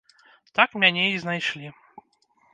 Так мяне і знайшлі.